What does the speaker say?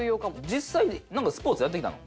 実際なんかスポーツやってきたの？